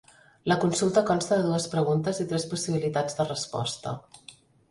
La consulta consta de dues preguntes i tres possibilitats de resposta.